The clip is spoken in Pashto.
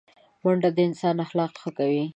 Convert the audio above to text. منډه د انسان اخلاق ښه کوي